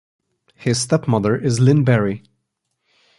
His stepmother is Lynn Barry.